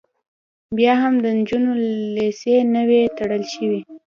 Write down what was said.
بیا هم د نجونو لیسې نه وې تړل شوې